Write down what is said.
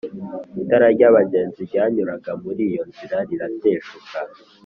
itara ry’abagenzi ryanyuraga muri iyo nzira rirateshuka,